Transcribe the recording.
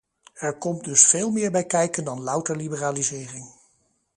Er komt dus veel meer bij kijken dan louter liberalisering.